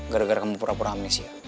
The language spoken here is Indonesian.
gara gara kamu pura pura amis ya